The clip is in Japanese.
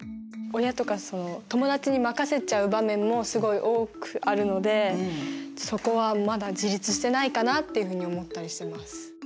親とかその友達に任せちゃう場面もすごい多くあるのでそこはまだ自立してないかなっていうふうに思ったりしてます。